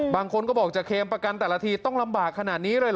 บางคนก็บอกจะเคมประกันแต่ละทีต้องลำบากขนาดนี้เลยเหรอ